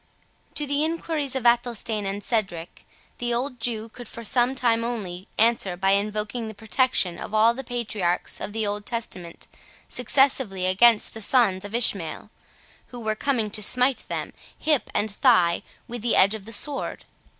To the enquiries of Athelstane and Cedric, the old Jew could for some time only answer by invoking the protection of all the patriarchs of the Old Testament successively against the sons of Ishmael, who were coming to smite them, hip and thigh, with the edge of the sword.